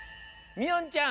みおんちゃん。